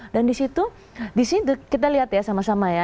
dan disitu disini kita lihat ya sama sama ya